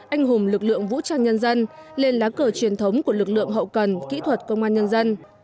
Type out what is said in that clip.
anh hùng lực lượng vũ trang nhân dân lên lá cờ truyền thống của lực lượng hậu cần kỹ thuật công an nhân dân